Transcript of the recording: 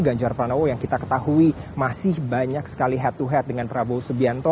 ganjar pranowo yang kita ketahui masih banyak sekali head to head dengan prabowo subianto